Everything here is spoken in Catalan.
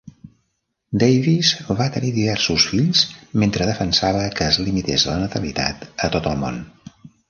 Davis va tenir diversos fills mentre defensava que es limités la natalitat a tot el món.